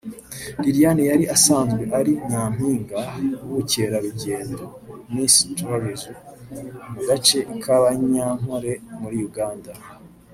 Liliane yari asanzwe ari nyampinga w’ubukererugendo (Miss Tourism) mu gace k’abanyakore muri Uganda